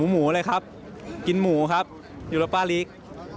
โอ้ยหมูเลยครับกินหมูครับโรปาลีก